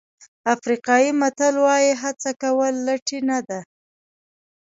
افریقایي متل وایي هڅه کول لټي نه ده.